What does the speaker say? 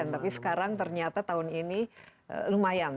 tapi sekarang ternyata tahun ini lumayan